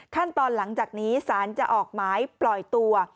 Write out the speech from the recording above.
ขั้นตอนหลังจากนี้สารจะออกหมายปล่อยตัว